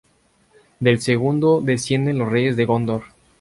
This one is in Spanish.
Del segundo descienden los reyes de Gondor.